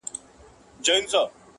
ګلاب ټوکوي هغه زخم وينه نه کوي